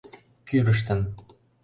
Кӱрыштын.